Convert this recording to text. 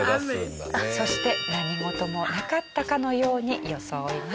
そして何事もなかったかのように装います。